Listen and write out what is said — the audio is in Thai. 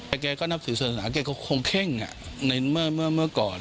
แต่แกก็นับถือสัญลักษณะแกก็คงเข้งอะในเมื่อก่อน